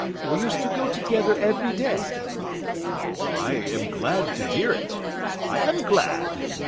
We used to go together every day." "I am glad to hear it. I am glad.